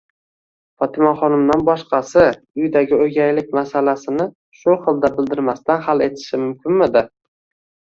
Fotimaxonimdan boshqasi uydagi o'gaylik masalasini shu xilda bildirmasdan hal etishi mumkinmidi?